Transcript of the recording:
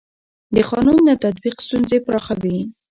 د قانون نه تطبیق ستونزې پراخوي